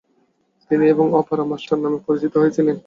তিনি এবং ‘opera master’ নামে পরিচিত হয়েছিলেন।